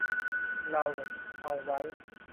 เราเอาไว้